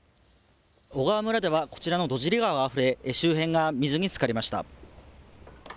小川村ではこちらの土尻川があふれ周辺が水につかりました。